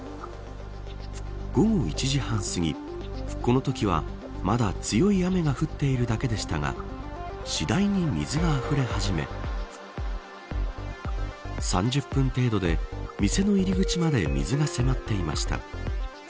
午後１時半すぎこのときはまだ強い雨が降っているだけでしたが次第に水があふれ始め３０分程度で店の入り口まで水が迫っていました。